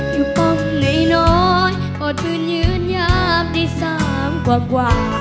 อยู่ป้องในน้อยก็ตื่นยืนยามดีซ้ำกว่ากว่า